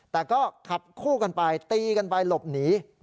แต่ก็ขับคู่กันไปตีกันไปหลบหนี